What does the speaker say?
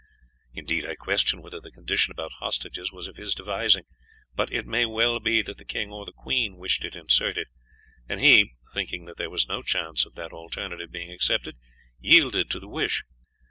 Indeed, I question whether the condition about hostages was of his devising; but it may well be that the king or the queen wished it inserted, and he, thinking that there was no chance of that alternative being accepted, yielded to the wish.